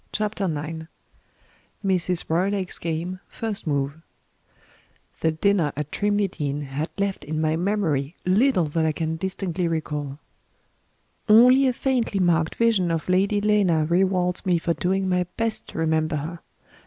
CHAPTER IX MRS ROYLAKE'S GAME: FIRST MOVE The dinner at Trimley Deen has left in my memory little that I can distinctly recall. Only a faintly marked vision of Lady Lena rewards me for doing my best to remember her.